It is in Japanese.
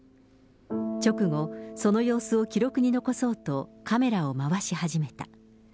直後、その様子を記録に残そうと、カメラを回し始めた。